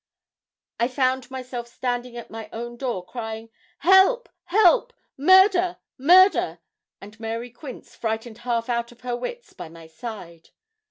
I found myself standing at my own door, crying, 'Help, help! murder! murder!' and Mary Quince, frightened half out of her wits, by my side.